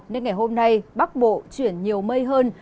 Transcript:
nên ngày hôm nay bắc bộ chuyển nhiều mây hơn